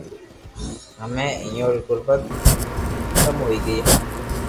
ھمي اپو ري غربت حتم ھوئي گئي ھي